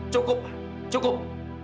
cukup ma cukup